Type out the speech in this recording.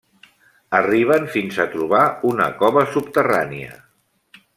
Arriben fins a trobar una cova subterrània.